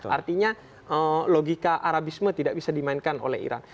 artinya logika arabisme tidak bisa dimainkan oleh iran